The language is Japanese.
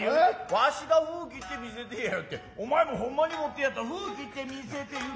わしが封切って見せてんやよってお前もほんまに持ってんやったら封切って見せてみ。